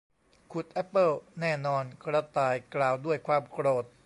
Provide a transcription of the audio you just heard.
ขุดแอปเปิลแน่นอน กระต่ายกล่าวด้วยความโกรธ